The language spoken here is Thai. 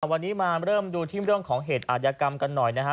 มาเริ่มติดตัวที่เริ่มที่เรื่องของเหตุอายากรรมกันหน่อยนะคะ